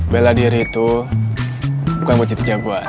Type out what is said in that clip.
bela diri itu bukan buat titik jagoan